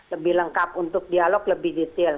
lebih lengkap untuk dialog lebih detail